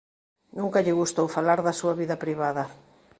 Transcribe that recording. Nunca lle gustou falar da súa vida privada.